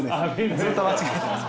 ずっと間違えてます！